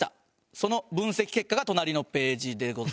その分析結果が隣のページでございます。